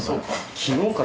昨日から。